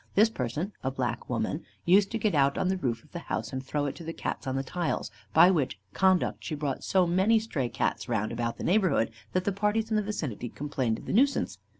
This person, a black woman, used to get out on the roof of the house, and throw it to the Cats on the tiles, by which conduct she brought so many stray Cats round about the neighbourhood, that the parties in the vicinity complained of the nuisance.